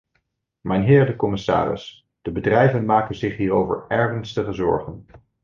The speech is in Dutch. Mijnheer de commissaris, de bedrijven maken zich hierover ernstige zorgen.